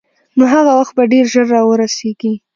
نو هغه وخت به ډېر ژر را ورسېږي.